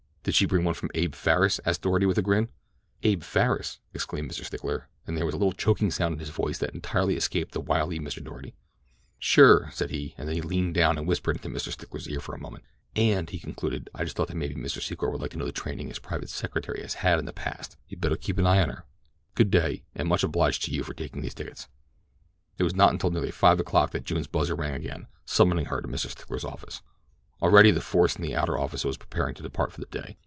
"Did she bring one from Abe Farris?" asked Doarty with a grin. "Abe Farris?" exclaimed Mr. Stickler, and there was a little choking sound in his voice that entirely escaped the wily Mr. Doarty. "Sure," said he, and then he leaned down and whispered into Mr. Stickler's ear for a moment. "—and," he concluded, "I just thought that maybe Mr. Secor might like to know the training his private secretary has had in the past—you'd better keep an eye on her. Good day, and much obliged to you for taking those tickets." It was not until nearly five o'clock that June's buzzer rang again, summoning her to Mr. Stickler's office. Already the force in the outer office was preparing to depart for the day.